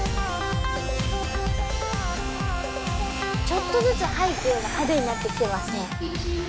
ちょっとずつ背景が派手になってきてますね。